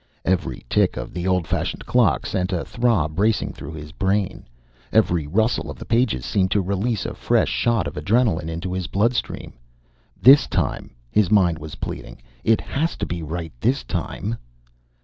Every tick of the old fashioned clock sent a throb racing through his brain. Every rustle of the pages seemed to release a fresh shot of adrenalin into his blood stream. This time, his mind was pleading. _It has to be right this time....